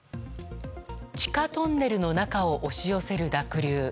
地下トンネルの中を押し寄せる濁流。